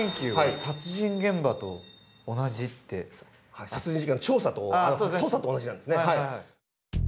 先ほど殺人事件の調査とあっ捜査と同じなんですね。